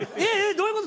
どういう事？